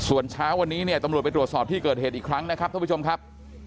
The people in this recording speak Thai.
วันนี้ตำรวจไปตรวจสอบที่เกิดเหตุอีกครั้งนะครับท่านผู้ชมครับ